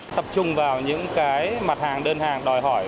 tập trung vào những cái mặt hàng đơn hàng đòi hỏi